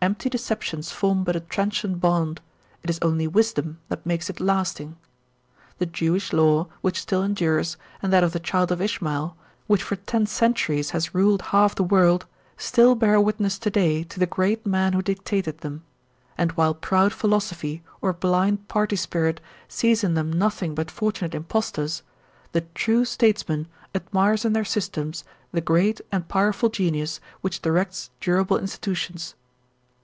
Empty deceptions form but a transient bond; it is only wisdom that makes it lasting. The Jewish law, which still endures, and that of the child of Ishmael, which for ten centuries has ruled half the world, still bear witness to day to the great men who dictated them; and while proud philosophy or blind party spirit sees in them nothing but fortunate impostors, the true states man admires in their systems the great and powerful genius which directs durable institutions.